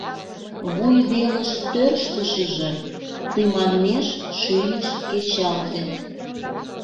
Вуй велыш тӧрштышыжӧ тыманмеш шӱйыш кечалте...